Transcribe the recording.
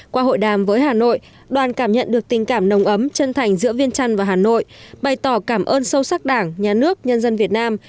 qua hội đàm với hà nội đoàn cảm nhận được tình cảm nồng ấm chân thành giữa viên trăn và hà nội bày tỏ cảm ơn sâu sắc đảng nhà nước nhân dân việt nam